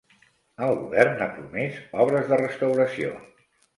El govern ha promès obres de restauració.